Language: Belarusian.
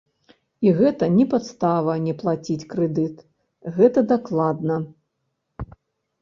І гэта не падстава не плаціць крэдыт, гэта дакладна.